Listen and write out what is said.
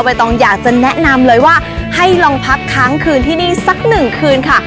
ต้องอยากจะแนะนำเลยว่าให้ลองพักค้างคืนที่นี่สักหนึ่งคืนค่ะ